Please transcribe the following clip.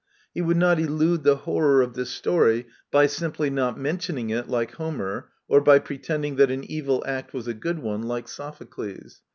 He would not elude the horror of this story by simply not mentioning it, like Homer, or by pretending that an evil act was a good one, like Sophocles.